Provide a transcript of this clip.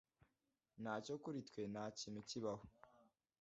Ntacyo kuri twe ntakintu kibaho